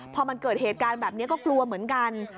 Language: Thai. พอมันเกิดเหตุการณ์แบบนี้ก็กลัวเหมือนกัน